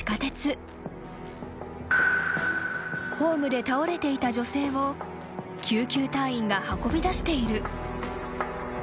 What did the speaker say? ［ホームで倒れていた女性を救急隊員が運び出している］